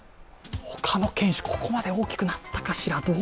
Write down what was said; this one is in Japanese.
他の犬種、ここまで大きくなったかしら。